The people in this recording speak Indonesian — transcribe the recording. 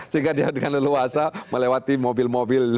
sehingga dia dengan leluasa melewati mobil mobil